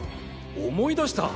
思い出した。